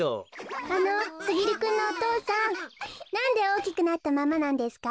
あのすぎるくんのお父さんなんでおおきくなったままなんですか？